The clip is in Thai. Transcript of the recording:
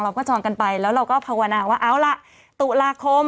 เราก็จองกันไปแล้วเราก็ภาวนาว่าตุลาคม